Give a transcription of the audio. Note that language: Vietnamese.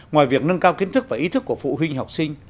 ngoài việc nâng cao kiến thức và ý thức của phụ huynh học sinh